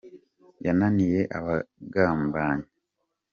yananiye abagambanyi.